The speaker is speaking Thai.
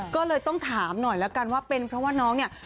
ก็เลยต้องถามหน่อยแล้วกันว่าเป็นเพราะว่าน้องเนี่ย